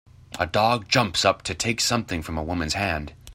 A dog jumps up to take something from a woman 's hand.